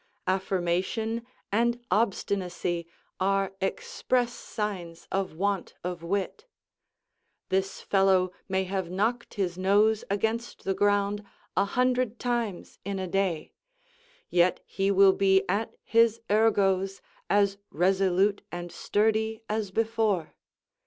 Affirmation and obstinacy are express signs of want of wit. This fellow may have knocked his nose against the ground a hundred times in a day, yet he will be at his Ergo's as resolute and sturdy as before.